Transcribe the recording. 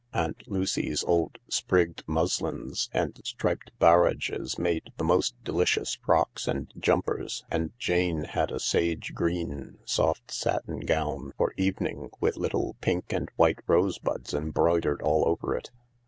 Aunt Lucy's old sprigged muslins and striped bareges made the most delicious frocks and jumpers, and Jane had a sage green, soft satin gown for evening with little pink and white 190 THE LARK rosebuds embroidered all over it.